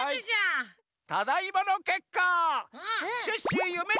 ただいまのけっか！